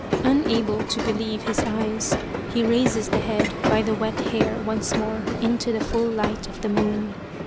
Unable to believe his eyes, he raises the head by the wet hair once more into the full light of the moon.